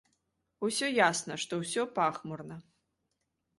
Усё ясна, што ўсё пахмурна.